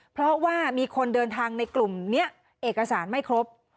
เพราะว่ามีคนเดินทางในกลุ่มนี้เอกสารไม่ครบ